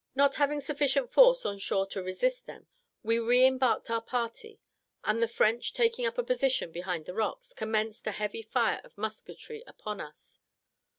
Not having sufficient force on shore to resist them, we re embarked our party, and the French, taking up a position behind the rocks, commenced a heavy fire of musketry upon us.